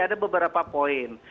ada beberapa poin